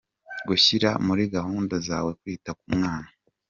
Gushyira muri gahunda zawe kwita ku mwana.